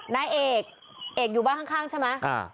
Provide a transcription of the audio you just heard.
นายเอกเอกอยู่บ้านข้างใช่ไหม